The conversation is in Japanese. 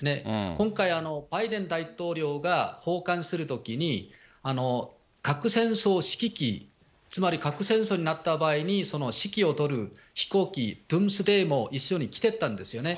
今回、バイデン大統領が訪韓するときに、核戦争指揮機、つまり核戦争になった場合に指揮を執る飛行機も一緒に来てたんですよね。